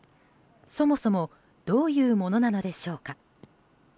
そもそもどういうものなのでしょうか？